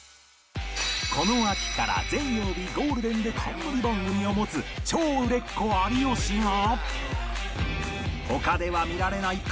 この秋から全曜日ゴールデンで冠番組を持つ超売れっ子有吉が